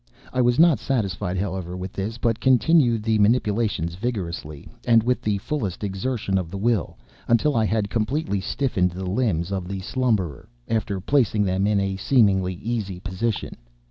I was not satisfied, however, with this, but continued the manipulations vigorously, and with the fullest exertion of the will, until I had completely stiffened the limbs of the slumberer, after placing them in a seemingly easy position.